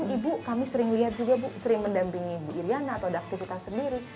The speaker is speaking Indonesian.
ibu kami sering lihat juga bu sering mendampingi ibu iryana atau ada aktivitas sendiri